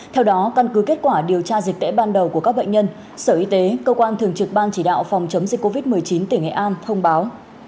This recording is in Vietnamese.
theo đó căn cứ kết quả điều tra dịch tễ ban đầu của các bệnh nhân sở y tế cơ quan thường trực ban chỉ đạo phòng chống dịch covid một mươi chín tỉnh nghệ an thông báo